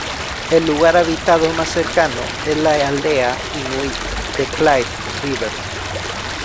El lugar habitado más cercano es la aldea inuit de Clyde River.